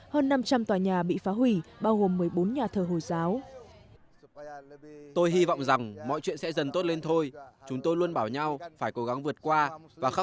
hơn năm trăm linh tòa nhà bị phá hủy bao gồm một mươi bốn nhà thờ hồi giáo